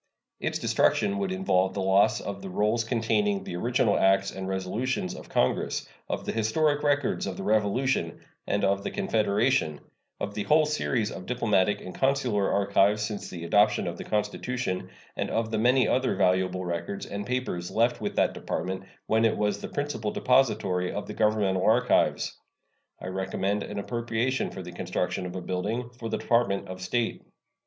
Its destruction would involve the loss of the rolls containing the original acts and resolutions of Congress, of the historic records of the Revolution and of the Confederation, of the whole series of diplomatic and consular archives since the adoption of the Constitution, and of the many other valuable records and papers left with that Department when it was the principal depository of the governmental archives. I recommend an appropriation for the construction of a building for the Department of State.